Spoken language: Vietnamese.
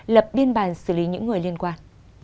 lập biên bàn xử lý những người liên quan